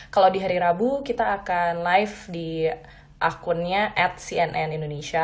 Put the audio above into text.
kalau di hari rabu kita akan live di akunnya at cnn indonesia